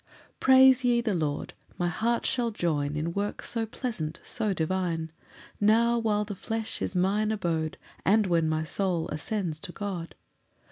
1 Praise ye the Lord, my heart shall join In work so pleasant, so divine, Now, while the flesh is mine abode, And when my soul ascends to God.